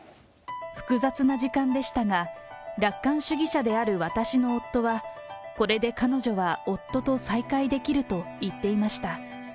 複雑な時間でしたが、楽観主義者である私の夫は、これで彼女は夫と再会できると言っていました。